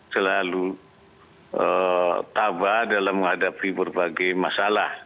selalu tabah dalam menghadapi berbagai masalah